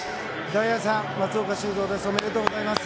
大也さん、松岡修造です。